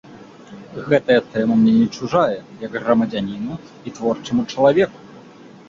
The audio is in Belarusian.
Гэтая тэма мне не чужая, як грамадзяніну і творчаму чалавеку.